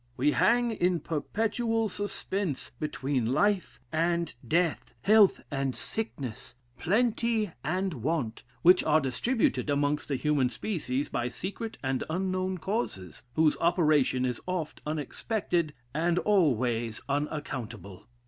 We hang in perpetual suspense between life and death, health and sickness, plenty and want, which are distributed amongst the human species by secret and unknown causes, whose operation is oft unexpected, and always unaccountable.